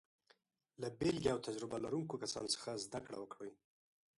له بېلګې او تجربه لرونکو کسانو څخه زده کړه وکړئ.